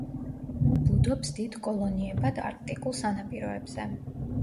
ბუდობს დიდ კოლონიებად არქტიკულ სანაპიროებზე.